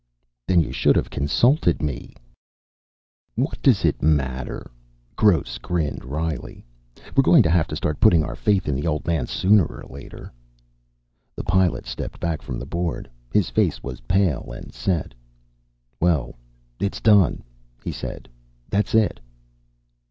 "Then you should have consulted me." "What does it matter?" Gross grinned wryly. "We're going to have to start putting our faith in the old man sooner or later." The Pilot stepped back from the board. His face was pale and set. "Well, it's done," he said. "That's it."